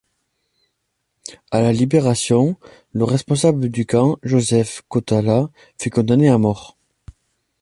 À la Libération, le responsable du camp, Joseph Kotälla, fut condamné à mort.